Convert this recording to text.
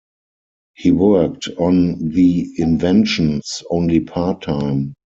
He worked on the inventions only part-time.